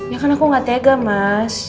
ya kan aku gak tega mas